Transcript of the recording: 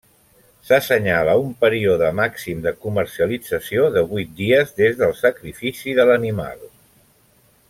S'assenyala un període màxim de comercialització de vuit dies des del sacrifici de l'animal.